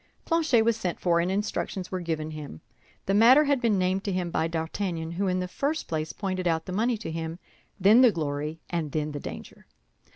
Planchet was sent for, and instructions were given him. The matter had been named to him by D'Artagnan, who in the first place pointed out the money to him, then the glory, and then the danger.